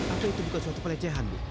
apa itu bukan suatu pelecehan bu